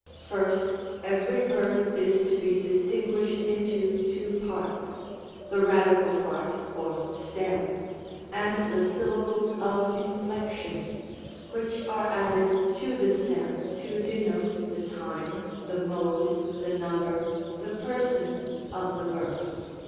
First, every verb is to be distinguished into two parts, the radical part or jStem^ and the Syllables of Inflection, which are added to the stem to denote the time, the mode, the number, the person of the verb.